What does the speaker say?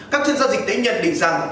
các chuyên gia dịch tế nhận định rằng